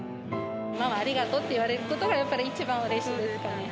ママありがとうって言われることがやっぱり一番うれしいですかね。